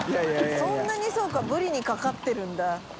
そんなにそうか屮蠅かかってるんだ。